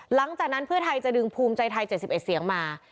หลังจากนั้นเพื่อไทยจะดึงภูมิใจไทย๗๑เสียงมา